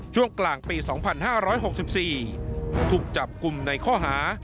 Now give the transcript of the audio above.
ช่วงกลางปีสองพันห้าร้อยหกสิบสี่ถูกจับกลุ่มในข้อหา